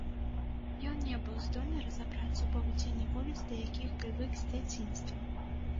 Ён не быў здольны разабрацца ў павуціне вуліц, да якіх прывык з дзяцінства.